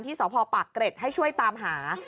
สพปากเกร็ดให้ช่วยตามหา